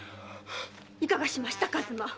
いかがしました数馬？